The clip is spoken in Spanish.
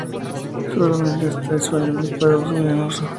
Solamente está disponible para uso venoso.